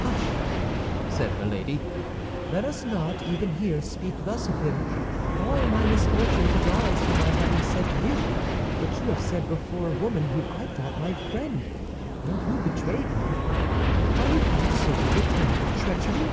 "Hush!" said Milady; "let us not, even here, speak thus of him. All my misfortunes arise from my having said nearly what you have said before a woman whom I thought my friend, and who betrayed me. Are you also the victim of a treachery?"